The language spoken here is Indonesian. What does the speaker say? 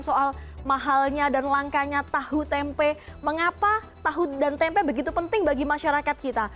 soal mahalnya dan langkanya tahu tempe mengapa tahu dan tempe begitu penting bagi masyarakat kita